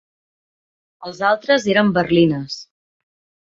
Els altres eren berlines.